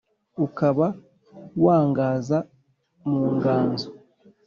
Ukaba wanganza mu nganzo